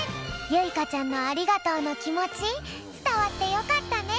ゆいかちゃんのありがとうのきもちつたわってよかったね。